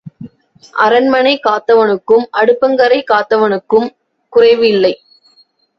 அரண்மனை காத்தவனுக்கும் அடுப்பங்கரை காத்தவனுக்கும் குறைவு இல்லை.